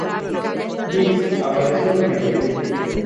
Nicks apareció en el videoclip.